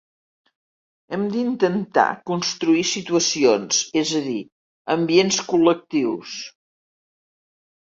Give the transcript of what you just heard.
Hem d'intentar construir situacions, és a dir, ambients col·lectius.